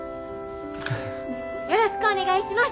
「よろしくお願いします！」。